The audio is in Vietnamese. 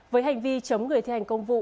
với hành vi chống người thi hành công vụ